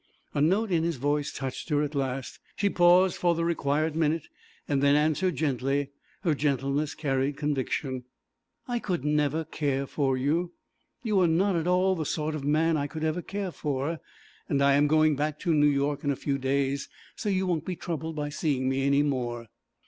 A note in his voice touched her at last; she paused for the required minute and then answered gently; her gentleness carried conviction. 'I could never care for you. You are not at all the sort of man I could ever care for, and I am going back to New York in a few days, so you won't be troubled by seeing me any more.'